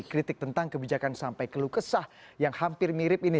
kritik tentang kebijakan sampai keluh kesah yang hampir mirip ini